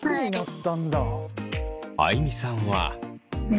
あいみさんは。